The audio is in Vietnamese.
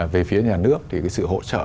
về phía nhà nước thì sự hỗ trợ